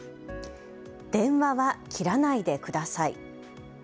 電話は切らないでください。